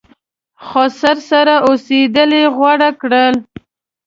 خسر سره اوسېدل یې غوره کړه.